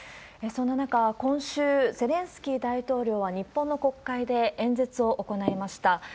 そんな中、今週、ゼレンスキー大統領は日本の国会で演説を行いました。